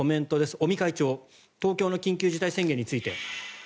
尾身会長、東京の緊急事態宣言についてです。